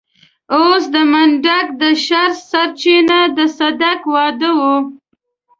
اوس د منډک د شر سرچينه د صدک واده و.